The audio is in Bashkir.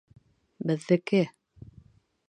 Беҙҙеке!